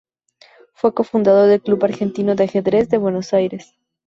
Fue cofundador del Club Argentino de Ajedrez de Buenos Aires.